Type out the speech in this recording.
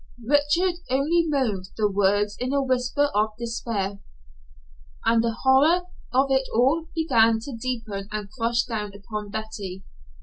Richard only moaned the words in a whisper of despair, and the horror of it all began to deepen and crush down upon Betty.